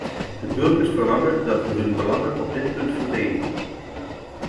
De burgers verlangen dat we hun belangen op dit punt verdedigen.